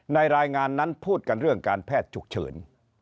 รายงานนั้นพูดกันเรื่องการแพทย์ฉุกเฉิน